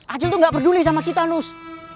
acil tuh gak peduli sama kita nus